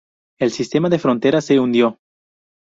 El sistema de fronteras se hundió.